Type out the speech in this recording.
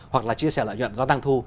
hoặc là chia sẻ lợi nhuận do tăng thu